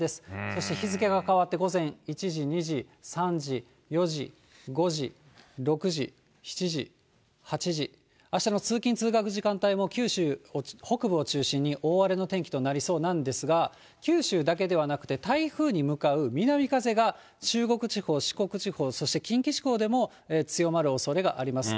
そして日付が変わって午前１時、２時、３時、４時、５時、６時、７時、８時、あしたの通勤・通学時間帯も九州北部を中心に大荒れの天気となりそうなんですが、九州だけではなくて、台風に向かう南風が、中国地方、四国地方、そして近畿地方でも強まるおそれがあります。